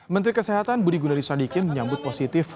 menteri kesehatan budi gudari sadikin menyambut positif